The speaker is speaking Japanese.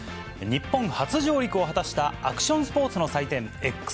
日本初上陸を果たしたアクションスポーツの祭典、ＸＧａｍｅｓ。